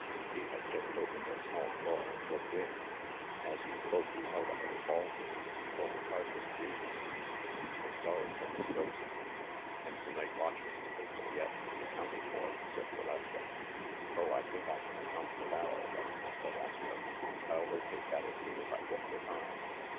He had just opened a small drawer and looked in. As he spoke he held up a revolver. "One cartridge used. I'm sorry for Miss Wilson." "And the night watchman's pistol yet to be accounted for !" said Valeska. "Oh, I think I can account for that, all right," said Astro. "I'll locate that as soon as I get the time.